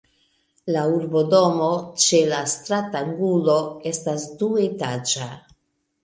La urbodomo ĉe la stratangulo estas duetaĝa.